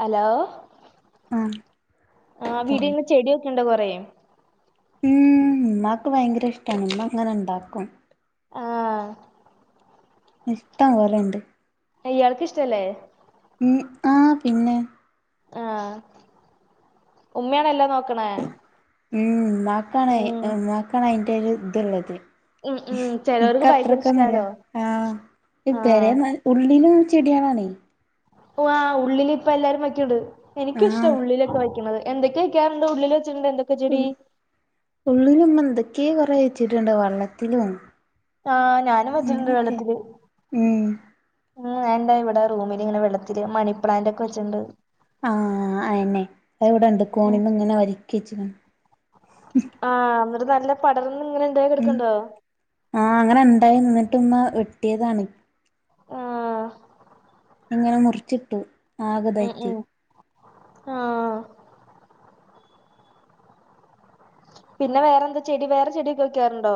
Hello ആഹ് ആഹ് വീടി പറയും ചെടിയൊക്കെ ഉണ്ടോ കൊറെ ഉം ഉമ്മാക്ക് ഭയങ്കര ഇഷ്ടാണ് ഉമ്മ ങ്ങനെ ഉണ്ടാക്കും ആഹ് ഇഷ്ടം പോലെ ഉണ്ട് ഇയ്യാൾക്ക് ഇഷ്ടം അല്ലേ ഉം ആഹ് പിന്നെ ആഹ് ഉമ്മയാണോ എല്ലാം നോക്ക്ണേ ഉം ഉമ്മാക്കാണ് ഉമ്മാക്കാണ് അയിൻ്റെ ഒരു ഇത്ള്ളത് ഉം ഉം ഇക്ക് ചെലോർക്ക് ഭയങ്കര അത്രക്കൊന്നുല്ല ഇഷ്ടാലോ ആഹ് ഇ ആഹ് പെരെന്ന് ഉള്ളിലും ചെടിയാളാണേ പ്പ ഓഹ് ആഹ് ഉള്ളില് ഇപ്പ എല്ലാരും വയ്ക്ക്ണ്ട് എനിക്ക് ഇഷ്ട്ടാ ആഹ് ഉള്ളിലൊക്കെ വയ്ക്ക്ണത് എന്തൊക്ക വെക്കാറുണ്ട് ഉള്ളില് വച്ചിട്ടുണ്ട് എ ഉം ഉള്ളിലും മ്മ എന്തൊക്കെയോ കൊറേ വച്ചിട്ടുണ്ട് വെള്ളത്തിലും ആഹ് ഞാനും വച്ചിട്ടുണ്ട് വെള്ളത്തില് ഉം ഉം ഞാനന്റെ ഇവിടെ റൂമില് ഇങ്ങനെ വെള്ളത്തില് മണി പ്ലാന്റ് ഒക്കെ വെച്ചിട്ടുണ്ട് ആഹ് അതന്നെ അത് ഇവിടെ ഇണ്ട് ഉം കോണി മ്മല് ഇങ്ങനെ അരിക്ക് വെച്ച്ക്ക്ണ് ആഹ് ന്നട്ട് നല്ല പടർന്ന് ഇങ്ങനെ ഇണ്ടായി ഉം കെട്ക്ണ്ടോ ആഹ് അങ്ങനെ ഉണ്ടായിന് ന്നട്ട് ഇമ്മ വെട്ടിയതാണ് ആഹ് ഇങ്ങനെ മുറിച്ചിട്ടു ആകെ ഉം തായിട്ട് ഉം ആഹ് പിന്നെ വേറെന്താ ചെടി വേറെ ചെടിക്കെ വെക്കാറുണ്ടോ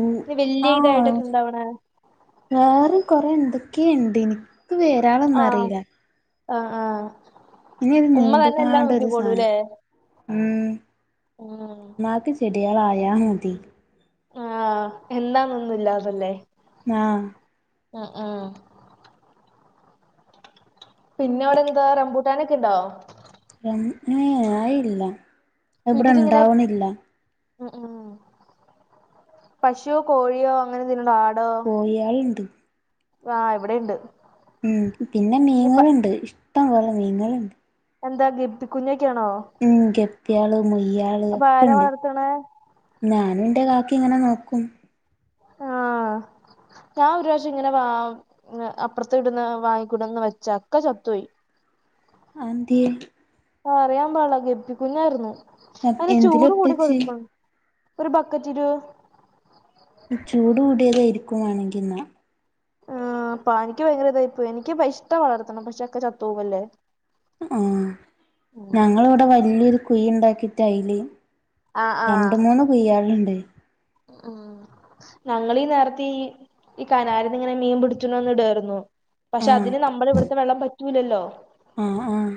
ഉം ഈ വല്യ ആഹ് ഇതായിട്ടൊക്കെ ഇണ്ടാവണെ വേറെ കൊറെ എന്തൊക്കെയ്ണ്ടേനി എനിക്ക് പേരാളൊന്നും ആഹ് അറിയില്ല ആഹ് ആഹ് ഇഞ്ഞരു ഉമ്മ നീണ്ട് തന്നെ എല്ലാം കാണ്ട് ഒരു സാനം നോക്കിക്കോളൂല്ലേ ഉം ഉം ഇമ്മാക്ക് ചെടിയളായാ മതി ആഹ് എന്നന്താന്നൊന്നുമല്ലാതല്ലേ ആഹ് ആഹ് ആഹ് പിന്നെ അവിടെ എന്താ റബൂട്ടാനൊക്കെ ഇണ്ടോ ഏയ് അതില്ല ഇതിലിങ്ങനെ ഉം ഉം പശുവോ കോഴിയോ അങ്ങനെ എന്തിനോണ്ടോ ആടോ [unintelligible] ആഹ് ഇവിടെണ്ട് ഉം പിന്നെ ഇപ്പ മീങ്ങളള്ണ്ട് ഇഷ്ടം പോലെ മീങ്ങള്ണ്ട് എന്താ ഗപ്പി കുഞ്ഞൊക്കെയാണോ ഉം ഗപ്യാള് മുല്യാള് ഒക്കെ ആരാ ഉണ്ട് വളർത്തണേ ഞാനും ഇന്റെ കാക്കിം ഇങ്ങനെ നോക്കും ആഹ് ഞാൻ ഒരു പ്രാവശ്യം ഇങ്ങനെ വാ അപ്പുറത്ത് വിട്ന്ന് വാങ്ങിക്കൂടന്ന് വെച്ച ഒക്കെ ചത്തു പോയി. അഅ്ന്തേ അറിയാൻ പാടില്ല ഗപ്പിക്കുഞ്ഞായിരുന്നു അതിനെ എന്തിലാ ചൂട് കൂടി ഇട്ടച്ചി കൊഴപ്പം ഒരു ബക്കറ്റില് ഉം ചൂട് കൂടിയതരിക്കും വേണഗിന്നാ ആഹ് അപ്പാനിക്ക് ഭയങ്കര ഇതായി പ്പോയി എനിക്ക് ഇഷ്ട്ടാ വളർത്തണ പക്ഷെ ഒക്കെ ചത്തവല്ലേ ആഹ് ഞങ്ങളിവിടെ വല്യൊരു കുഴി ഉണ്ടാക്കിട്ട് അയില് ആഹ് ആഹ് രണ്ട് മൂന്ന് ക്കുയ്യളുണ്ട് ഉം ഞങ്ങളി നേരത്തെ ഈ ഈ കനാലിത്തി ഇങ്ങനെ മീൻ പിടിച്ചണോന്ന് ഇടേർന്നു പക്ഷെ ആഹ് അതിന് നമ്മള ഇവിട്ത്തെ വെള്ളം പറ്റൂലല്ലോ ആഹ് ആഹ്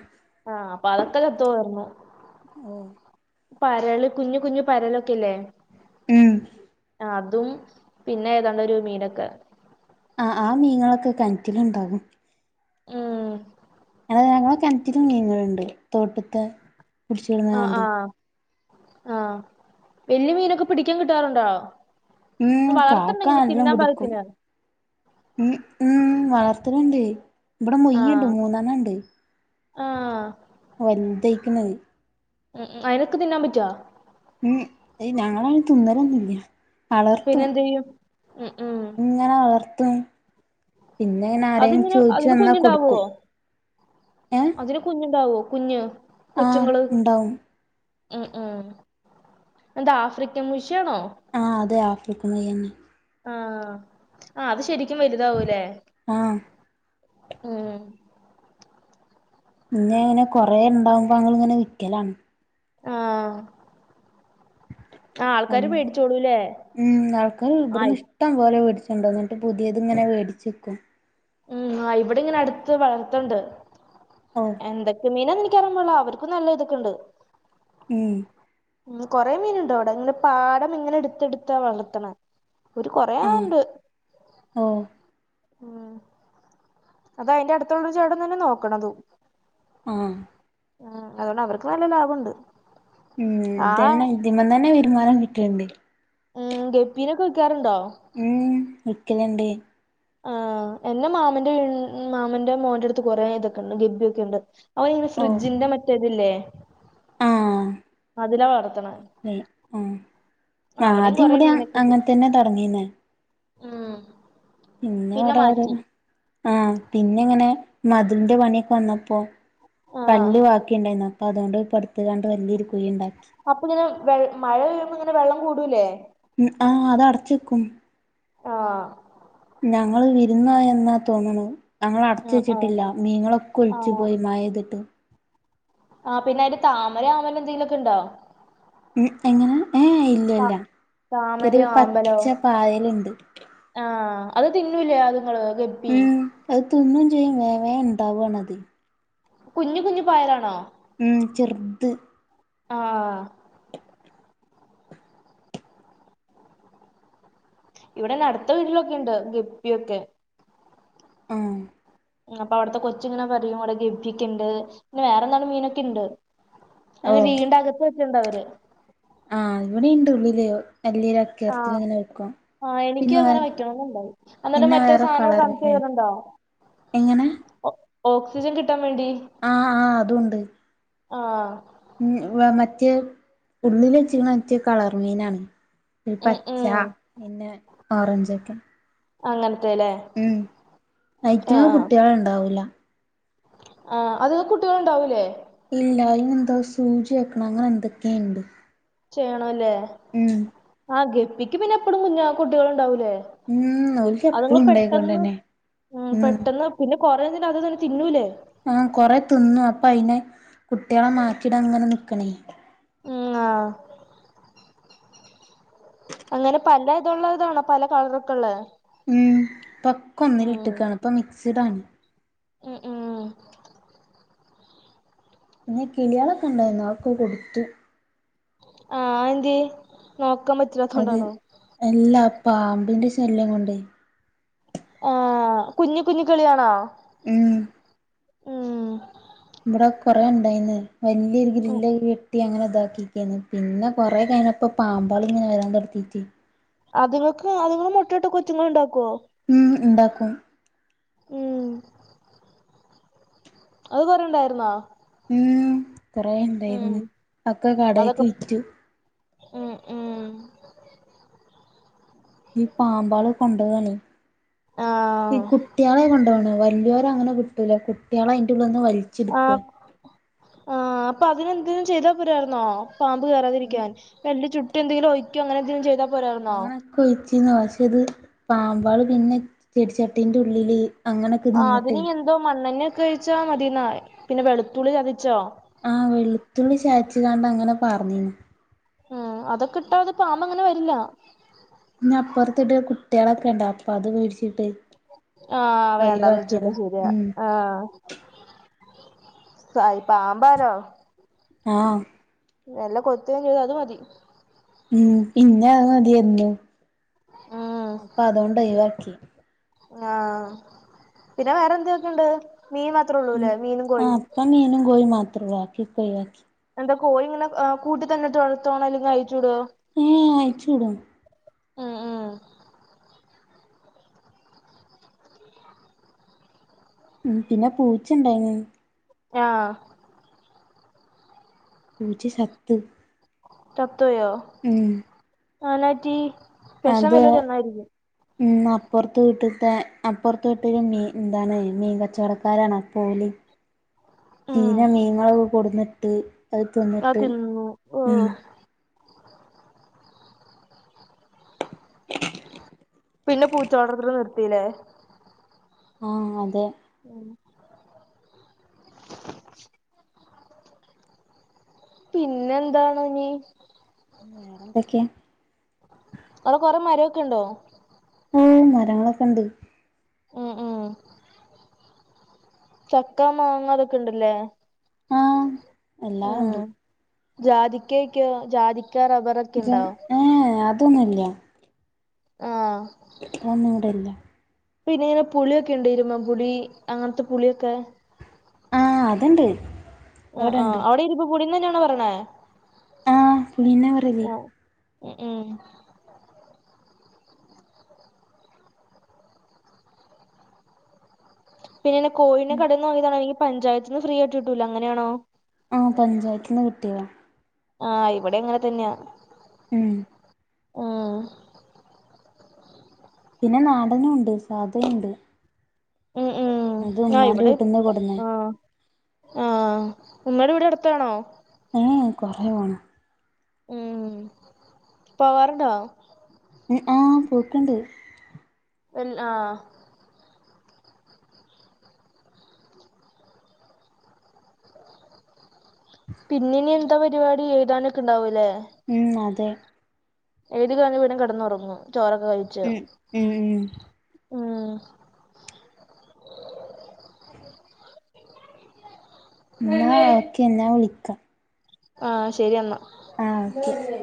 ആഹ് അപ്പൊ അതക്കെ ചത്തുപ്പോർന്ന് ഓഹ് പരള് കുഞ്ഞ് കുഞ്ഞ് പരലൊക്കെല്ലേ ഉം അതും പിന്നെ ഏതാണ്ട് ഒരു മീനൊക്കെ ആ ആ മീങ്ങളൊക്കെ കെനറ്റിലുണ്ടാകും ഉം അത് ഞങ്ങളെ കെനറ്റിലും മീങ്ങളുണ്ട് തോട്ടത്തെ ആഹ് പുടിച്ചികളന്നതാണ്ട് ആഹ് ആഹ് വല്യ മീനൊക്കെ പിടിക്കാൻ കിട്ടാറുണ്ടോ ഉം കാക്കാ വളർത്തണ്ടെങ്കില് നല്ലം തിന്നാൻ പിടിക്കും പാകത്തിന് ഉ ഉം വളർത്തലുണ്ട് ഇബടെ മുയുണ്ട് ആഹ് മൂന്നെണ്ണ ഉണ്ട്. ആഹ് വൽതയ്ക്ക്ണ് അത് ഉം അയ്നൊക്കെ തിന്നാൻ പറ്റാ ഉം ഞങ്ങൾ അയ്നേ തിന്നൊലൊന്നില്ല പിന്നെ എന്ത് ചെയ്യും ഉ ഉം ഇങ്ങനെ വളർത്തും പിന്നെ ങ്ങനെ ആരേലും അതിങ്ങനെ ചോയ്ച്ചു അതിന് വന്നാ കുഞ്ഞുണ്ടാവോ കൊടുക്കും ഏഹ് അതിന് കുഞ്ഞുണ്ടാവോ കുഞ് കൊച്ചുങ്ങള് ഉണ്ടാവും ഉം ഉം എന്താ ആഫ്രിക്കൻ മുഷ്യാണോ ആ അതേ ആഫ്രിക്കൻ മുയ്യന്നെ ആഹ് ആഹ് അത് ശരിക്കും വലുതാവൂല്ലേ ആഹ് ഉം മുന്നേ ഇങ്ങനെ കൊറെ ഇണ്ടാവുമ്പോ അങ്ങള് ഇങ്ങനെ വിക്കലാണ് ആഹ് ആഹ് ഉം ആൾക്കാര് പേടിച്ചോളൂല്ലേ ഉം ആൾക്കാറ് ആഹ് ഇബട്ന്ന്ഷ് ട്ടംപോലെ വേടിച്ചൊണ്ടോവും ന്നട്ട് പുതേത്ങ്ങനെ വേടിച്ചെക്കും ഉം ആഹ് ഇവടെ ഇങ്ങനെ അട്ത്ത് വളർത്ത്ണ്ട് ആഹ് എന്തൊക്കെ മീനാന്നിൻക്കാ അറിയാൻ പാട്ല്ല അവര്ക്കും നല്ല ഇതൊക്കെ ഇണ്ട് ഉം ഉം കൊറെ മീന് ഇണ്ടവ്ടെ ഇങ്ങനെ പാടം ഇങ്ങനെ ഇട്ത്ത് ഇട്ത്താ വളർത്ത്ണ ഒരു കൊറേ ഇണ്ട് ആഹ് ഉം അതഅയ്ന്റെ അട്ത്തുള്ള ചേട്ടൻതന്നെ നോക്ക്ണതും ആഹ് ആഹ് അതോണ്ട് അവർക്ക് നല്ല ലാഭവുണ്ട് ഉം ഇതന്നെ ഇതിമന്നന്നെ വരുമാനം കിട്ട്ണ്ടെ ഉം ഗെപ്പിനൊക്കെ വിക്കാറുണ്ടോ ഉം വിക്കല്ണ്ടേയ് ആഹ് എന്റെ മാമന്റെ മാമന്റെ മോന്റെട്ത്ത് കൊറെ ഇതൊക്കെണ്ട് ഗബ്ബിയൊക്കെണ്ട് അവ ഇങ്ങനെ ഓ ഫ്രിഡ്ജിന്റെ മറ്റേതില്ലേ അതിലാവളർത്ത്ണ് ഉംആഹ് ആദ്യം കൊറേ ഇവടിം മീനൊക്കെ ഉണ്ട് അങ്ങൻ തന്നെ തൊട്ങ്ങീന്നെ ഉം പിന്നെ വടെ ഓരോന്ന് ആഹ് പിന്നെ ഇങ്ങനെ മതിലിന്റെ പണിയൊക്കെ വന്നപ്പോ ആഹ് കല്ല് ബാക്കി ഇണ്ടായ്ന്നു അപ്പൊ അതുകൊണ്ട് പടുത്ത്കാണ്ട് വലിയൊരു കുഴി ഇണ്ടാക്കി അപ്പ ഇങ്ങനെ വെ മഴ പെയ്യുമ്പോ ഇങ്ങനെ വെള്ളം കൂടൂല്ലേ ഉം ആഹ് അത് അടച്ചെക്കും ആഹ് ഞങ്ങള് വിരുന്നോയന്നാ തോന്ന്ണ് ഞങ്ങള് ആഹ് ആഹ് അടച്ച്വെച്ചിട്ടില്ല മീങ്ങളൊക്കെ ഒലിച്ചു ആഹ് പോയി മഴെയ്തിട്ട് ആഹ് പിന്നെ അയ്‌ല് താമര ആമ്പല് എന്തെങ്കിലൊക്കെ ഇണ്ടോ ഉം എങ്ങനെ ഏയ് ഇല്ല ഇല്ല ഇത് താമരയോ ആമ്പലോ പച്ച പായല്ണ്ട് ആഹ് അത് തിന്നൂലെ അതുങ്ങള് ഗപ് ഉം അഅ് തിന്നും ചെയ്യും വേം വേം ഇണ്ടാവാണതെ കുഞ് കുഞ് പായലാണോ ഉം ചെർത് ആഹ് ഇവിടല്ല അട്ത്ത വീട്ട്ലൊക്കെ ഇണ്ട് ഗപ്പൊക്കെ ആഹ് ഉം അപ്പ അവട്ത്തെ കൊച്ച്ങ്ങനെ പറയും അവിടെ ഗപ്പ്യക്കെ ഇണ്ട് പിന്നെ വേറെ എന്താണ്ട് മീനൊക്കെ ഇണ്ട് അഅ് ഓഹ് വീടിന്റെ അകത്ത് വെച്ച്ണ്ട് അവര് ആഹ് ഇവടിം ഇണ്ട് ഉള്ളില് വെല്യെരു ആഹ് അക്കറത്തിലി ഇങ്ങനെ വെക്കും ആഹ് എനിക്ക് പിന്നെ വേ അങ്ങനെ വെക്കണന്നുണ്ടായി എന്നട്ട് പിന്നെ മറ്റേ വേറെ സാധനങ്ങ കളർ മീനുണ്ട് കണക്കെയ്തിട്ടുണ്ടോ എങ്ങനെ ഓ ഓക്സിജൻ കിട്ടാൻ വേണ്ടി ആഹ് ആഹ് അതുണ്ട് ആഹ് ഉം വ മറ്റേ ഉള്ളിലെച്ച്ക്ക്ണ മറ്റെ കളർ മീനാണ് ഒരു ഉം പച്ച ഉം പിന്ന ഓറഞ്ചൊക്കെ അങ്ങൻത്തെലേ ഉം ഐറ്റക് കുട്ട്യേള് ഇണ്ടാവൂല ആഹ് അത് കുട്ട്യോള് ഇണ്ടാവൂലേ ഇല്ലാ അയ്നെന്തോ സൂചി വെക്കൊണൊ അങ്ങനെ എന്തെക്കേ ഇണ്ട് ചെയ്യണൊല്ലേ ആഹ് ഗപ്പിക്ക് പിന്ന എപ്പളും കുഞ്ഞ കുട്ട്യേള് ഇണ്ടാവൂലേ ഉം ഓൽക്ക് അത്ങ്ങ് എപ്പഴും പെട്ടെന്ന് ഉണ്ടായിക്കൊണ്ടന്നെ ഉം പെട്ടെന്ന് പിന്നെ കൊറേ തിനകത്ത്ന്നന്നെ തിന്നൂലെ ആഹ് കൊറേ തിന്നും അപ്പയ്ന് കുട്ട്യേളെ മാറ്റിട ഇങ്ങനെ നിക്കണെ ഉം ങാഹ് അങ്ങനെ പല ഇതുള്ളതാണോ പല കളറ്ക്കൊള്ളെ ഉം ഇപ്പക്ക്വ ഒന്നില് ഇട്ട്ക്കാണ് ഇപ്പ മിക്സിഡാണ്. ഉം ഉം ഇന്ന് കിളീളൊക്ക ഇണ്ടാര്ന്നു അതൊക്ക കൊടുത്തു. ആഹ് എന്ത്യെ നോക്ക പറ്റാത്തോണ്ടാണൊ അല്ല പാമ്പിന്റെ ശല്യം കൊണ്ടെ ആഹ് കുഞ്ഞി കുഞ്ഞ് കിള്യാണോ ഉം ഉം ഇവ്ടെ കൊറേ ഇണ്ടായിന്ന്. വല്യ ഉം ഗ്രില്ലയ് കിട്ടി അങ്ങനെ ഇതാക്കിക്കാണ് പിന്ന കൊറേ കഴിഞ്ഞപ്പൊ പാമ്പാള് ഇങ്ങന വരാൻ തൊട്ത്തീട്ടെ അത്ങ്ങക്ക് അത്ങ്ങള് മൊട്ട ഇട്ട് കൊച്ചുങ്ങള് ഇണ്ടാക്കോ. ഉം ഇണ്ടാക്കും ഉം അത് കൊറേ ഇണ്ടാര്ന്നോ. ഉം കൊറേ ഇണ്ടായിന്ന് ഒക്കെ കടയ്ക്ക് അതൊക്കെ വിറ്റു ഉം ഉം ഈ പാമ്പേള് കൊണ്ടൊവാണെ ആ ഈ കുട്ട്യേളെ കൊണ്ടോണ്. വല്യോര അങ്ങനെ കിട്ടൂല കുട്ട്യേളെ അയിന്റെ ഉള്ള്ന്ന് വൽ ആഹ് പ് ആഹ് അപ്പ അതിനെന്തേലു ചെയ്താ പൊരാര്ന്നോ പാമ്പ് ഉം കേറാതിരിക്കാൻ. വെല് ചുട്ട് എന്തേലും വെക്കൊ അങ്ങനെന്തേലും ചെയ്താ പോരായിരുന്നോ അങ്ങനൊക്ക ഒഴിച്ചീന്നു പക്ഷേ ഇത് പാമ്പേള് പിന്നെ ചെടിച്ചട്ടീന്റെ ഉള്ളില്. അങ്ങനൊക്കെ ആഹാ നിന്നിട്ടേ അതിന് എന്തൊ മണ്ണെണ്ണ ഒക്കെ കഴിച്ചാ മതിന്നാ പിന്നെ വെളുത്തുള്ളി ചതിച്ചോ ആഹ് വെളുത്തുള്ളി ചതച്ച്കാണ്ട് അങ്ങന പാർഞ്ഞീന്നു ഉം അതൊക്ക ഇട്ടാ അത് പാമ്പ അങ്ങന വര്ല്ല ഇഞ്ഞ് അപ്പറ്ത്ത്ട്ട് കുട്ട്യേളൊക്കെ ഐണ്ട്. അപ്പൊ അത് വേടിച്ചിട്ടെ ആഹ് വേണ്ടാന്ന് വച്ചുലെ ശരിയാ ഉം ആഹ് സായി പാമ്പാരൊ ആഹ് നല്ല കൊത്തുകയും ചെയ്ത അത് മതി ഉം പിന്നെ അത് മതി എന്നു ഉം അപ്പൊ അതോണ്ടൊഴിവാക്ക. ആഹ് പിന്നെ വേറെ എന്തോക്കെണ്ട് മീൻ മാത്രേ ഉം ഉള്ളൂല്ലേ മീനും ആഹ് കോഴിയും ഇപ്പ മീനും കോയി മാത്രൊള്ളു ബാക്കി ഒക്ക ഒഴിവാക്കി. എന്താ കോഴിങ്ങനെ കൂട്ടി തന്നെ [unintelligible] തുടർത്തോണോ അല്ലെങ്കിൽ അഴച്ചൂടോ ഏഹ് ആയിച്ചുവിടും ഉം ഉം ഉം പിന്നെ പൂച്ചണ്ടായിരുന്നു ആഹ് പൂച്ച ചത്ത്‌ ചത്തുപോയോ ഉം അനന്നാപറ്റി അത് അപ്പുറത്ത് വീട്ടിത്തെ അപ്പുറത്ത് വീട്ട മീൻ എന്താണ് മീൻ കച്ചവടക്കാരാണ് പോലി [inaudible] ഉം ചീന മീനങ്ങളൊക്കെ കൊടന്നിട്ട് അത് അത് തിന്നിട്ട് തിന്നു ഓഹ് ഉം പിന്നെ പൂച്ച വളർത്തൽ നിർത്തില്ലേ ആഹ് അതെ ഉം പിന്നെന്താണ് ഇനി വേറെന്തൊക്കെയാ അവിടെ കുറേ മരമൊക്കെ ഉണ്ടോ ഓഹ് മരങ്ങളൊക്കെ ഉണ്ട്. ഉം ഉം ചക്കാ മാങ്ങ അതൊക്കെ ഇണ്ടല്ലേ എല്ലാ ഉണ്ട് ജാതിക്ക ഒക്കെയ ജാതിക്കാ റബ്ബർ ഒക്കെ ജാ ഏഹ് അതൊന്നുംല്ലാ ആഹ് അതൊന്നും ഇവിടില്ല പിന്നെ ഇങ്ങനെ പുളിയൊക്കെ ഉണ്ട ഇരുമ പുളി അങ്ങനത്തെ പുളിയൊക്കെ ആഹ് അതുണ്ട് ആഹ് ആഹ് അവിടെണ്ട് അവിടെ ഇരുമ്പൻ പുളീന്നു തന്നെയാണോ പറയണേ ആഹ് പുളീന്നാ പറയല് ആഹ് ഉം ഉം പിന്നെ എന്നന്ന കോയിന കടേന്നുവാങ്ങിയതാണോ പഞ്ചായത്ത് നിന്ന് ഫ്രീ ആയി്ട്ട് കിട്ടൂല അങ്ങനാണോ ആഹ് പഞ്ചായത്തിന്ന് കിട്ടിയതാ ആഹ് ഇവിടെ എങ്ങനെ തന്നെയാ ഉം ഉം പിന്നെ നാടനുണ്ട് സാധയുണ്ട് ഉം ഉം അത് ആഹ് ഉമ്മാന്റെ ഇവിടെ വീട്ടിന്ന് കൊടുന്നെ ആഹ് ആഹ് ഉമ്മേട വീട് അടുത്താണോ ഉം കുറേ പോണം ഉം പോവാറുണ്ടോ ഉം ആഹ് പോയിട്ടുണ്ട് പിന്നാ ആഹ് പിന്നെനി എന്താ പരിപാടി എഴുതാനക്കെ ഉണ്ടാവൂ അല്ലേ ഉം അതെ ഏത് കഞ്ഞവീടും കേടന്നുറങ്ങ ചോറോക്കെ കഴിച്ചു ഉം, ഉം ആഹ് ന്നാ ഓക്കെ ന്നാ വിളിക്കാ ആഹ്, ശരി എന്നാ ആഹ്, ഓക്കെ